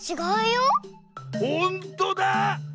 ほんとだ！